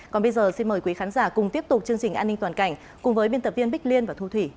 còn bây giờ xin mời quý khán giả cùng tiếp tục chương trình an ninh toàn cảnh cùng với biên tập viên bích liên và thu thủy